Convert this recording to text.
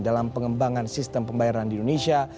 dalam pengembangan sistem pembayaran di indonesia